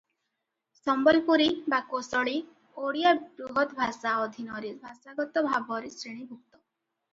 ସମ୍ବଲପୁରୀ ବା କୋସଳୀ ଓଡ଼ିଆ ବୃହତଭାଷା ଅଧୀନରେ ଭାଷାଗତ ଭାବରେ ଶ୍ରେଣୀଭୁକ୍ତ ।